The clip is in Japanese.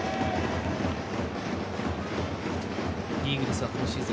イーグルスは今シーズン